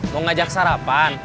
mau ngajak sarapan